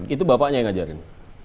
itu bapaknya yang ngajarin